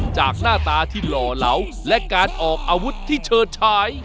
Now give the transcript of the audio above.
หน้าตาที่หล่อเหลาและการออกอาวุธที่เฉิดฉาย